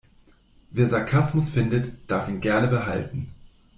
Wer Sarkasmus findet, darf ihn gerne behalten.